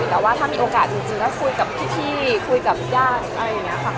แต่ว่าถ้ามีโอกาสจริงถ้าคุยกับพี่คุยกับญาติอะไรอย่างนี้ค่ะ